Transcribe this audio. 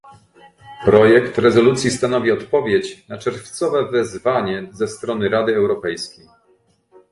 Projekt rezolucji stanowi odpowiedź na czerwcowe wezwanie ze strony Rady Europejskiej